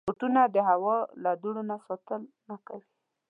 بوټونه د هوا له دوړو نه ساتنه کوي.